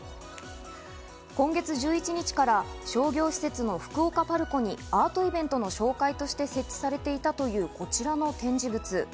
今月１１日から商業施設の福岡ＰＡＲＣＯにアートイベントの紹介として設置されていたというこちらの展示物。